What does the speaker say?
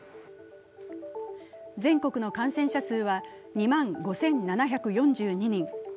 全国の感染者数は２万５７４２人。